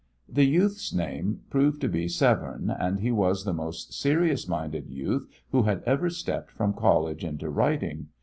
The youth's name proved to be Severne, and he was the most serious minded youth who had ever stepped from college into writing.